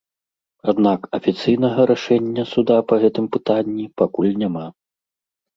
Аднак афіцыйнага рашэння суда па гэтым пытанні пакуль няма.